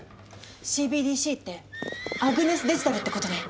ＣＢＤＣってアグネスデジタルってことね。